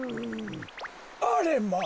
あれまあ。